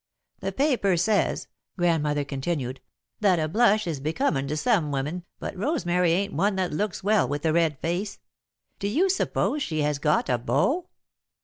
"The paper says," Grandmother continued, "that a blush is becomin' to some women, but Rosemary ain't one that looks well with a red face. Do you suppose she has got a beau?"